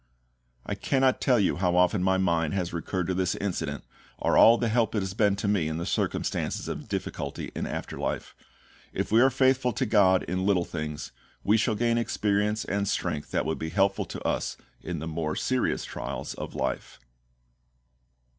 I cannot tell you how often my mind has recurred to this incident, or all the help it has been to me in circumstances of difficulty in after life. If we are faithful to GOD in little things, we shall gain experience and strength that will be helpful to us in the more serious trials of life.